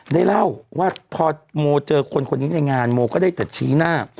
ได้เล่าว่าพอโมเจอคนคนนี้ในงานโมก็ได้แต่ชี้หน้า